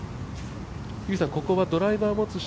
ここはドライバー持つ人